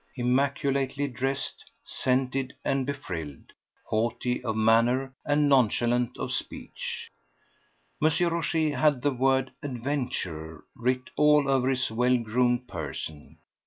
Immaculately dressed, scented and befrilled, haughty of manner and nonchalant of speech, M. Rochez had the word "adventurer" writ all over his well groomed person.